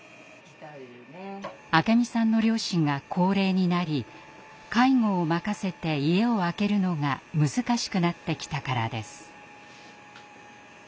明美さんの両親が高齢になり介護を任せて家を空けるのが難しくなってきたからです。